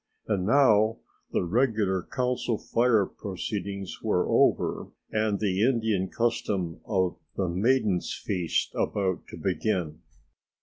And now the regular Council Fire proceedings were over and the Indian custom of "The Maidens' Feast" about to begin.